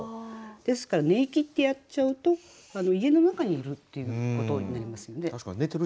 ですから「寝息」ってやっちゃうと家の中にいるっていうようなことになりますよね。